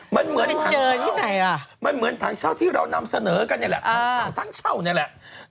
มันเหมือนที่เรานำเสนอกันนี่แหละ